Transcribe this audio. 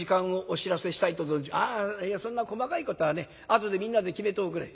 「あいやそんな細かいことはね後でみんなで決めておくれ」。